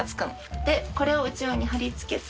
でこれをうちわに貼り付けて。